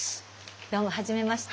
どうもはじめまして。